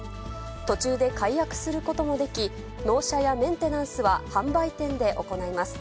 途中で解約することもでき、納車やメンテナンスは販売店で行います。